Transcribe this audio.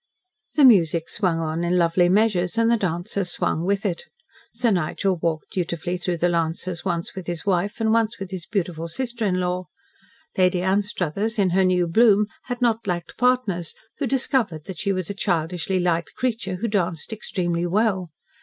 The music swung on in lovely measures, and the dancers swung with it. Sir Nigel walked dutifully through the Lancers once with his wife, and once with his beautiful sister in law. Lady Anstruthers, in her new bloom, had not lacked partners, who discovered that she was a childishly light creature who danced extremely well.